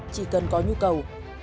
chỉ cần có nhu cầu